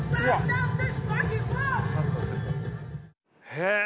へえ。